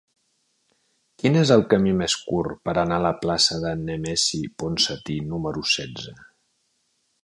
Quin és el camí més curt per anar a la plaça de Nemesi Ponsati número setze?